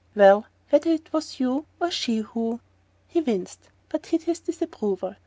"Well whether it was you or she who..." He winced, but hid his disapproval.